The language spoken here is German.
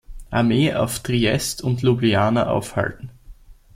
Armee auf Triest und Ljubljana aufhalten.